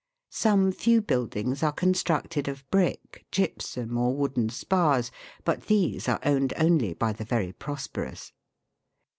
Some few buildings are constructed of brick, gypsum, or wooden spars ; but these are owned only by the very prosperous.